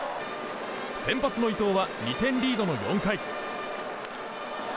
先発の伊藤は２点リードの４回。